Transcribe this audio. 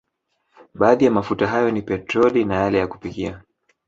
Baadhi ya mafuta hayo ni petroli na yale ya kupikia